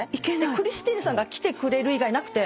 クリスティーヌさんが来てくれる以外なくて。